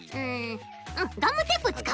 ガムテープつかおうっと。